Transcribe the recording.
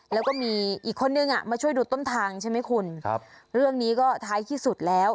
แล้วก็มีอีกคนนึงอ่ะมาช่วยดูต้นทางใช่ไหมคุณครับเรื่องนี้ก็ท้ายที่สุดแล้ว